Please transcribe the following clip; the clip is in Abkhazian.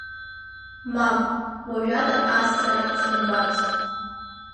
Мап, уажәада ас сара дзымбацт.